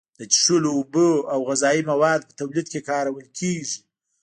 د څښلو اوبو او غذایي موادو په تولید کې کارول کیږي.